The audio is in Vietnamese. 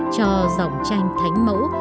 cho dòng tranh thánh mẫu